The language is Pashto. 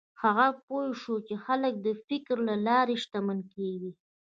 هغه پوه شو چې خلک د فکر له لارې شتمن کېږي.